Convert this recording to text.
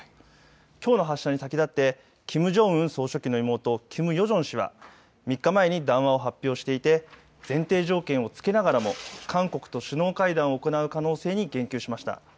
きょうの発射に先立ってキム・ジョンウン総書記の妹、キム・ヨジョン氏は３日前に談話を発表していて、前提条件を付けながらも韓国と首脳会談を行う可能性に言及しました。